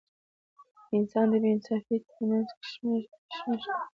د انسان د بې انصافۍ تر منځ کشمکش دی.